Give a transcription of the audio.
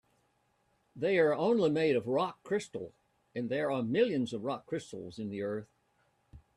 They're only made of rock crystal, and there are millions of rock crystals in the earth.